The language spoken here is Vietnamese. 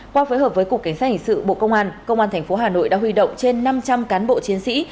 qua phối hợp với cục cảnh sát hình sự bộ công an công an tp hà nội đã huy động trên năm trăm linh cán bộ chiến sĩ